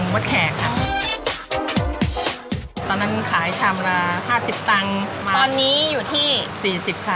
มดแขกค่ะตอนนั้นขายชามละห้าสิบตังค์ตอนนี้อยู่ที่สี่สิบค่ะ